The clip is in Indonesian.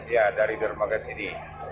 ya dari berbagai sini